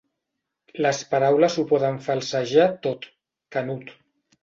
Les paraules ho poden falsejar tot, Canut.